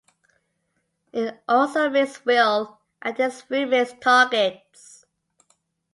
It also makes Will and his roommates targets.